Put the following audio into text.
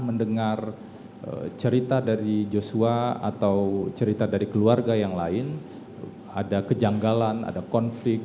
mendengar cerita dari joshua atau cerita dari keluarga yang lain ada kejanggalan ada konflik